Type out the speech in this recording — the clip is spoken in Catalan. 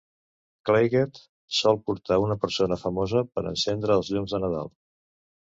Claygate sol portar una persona famosa per encendre els llums de Nadal.